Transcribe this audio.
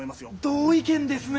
同意見ですね。